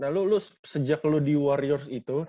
nah lu sejak lu di warriors itu